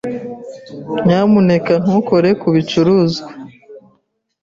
Nyamuneka ntukore ku bicuruzwa.